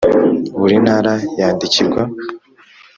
Buri ntara yandikirwa